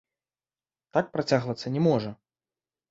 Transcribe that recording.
Так працягвацца не можа.